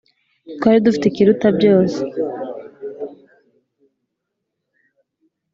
twari dufite ikiruta byose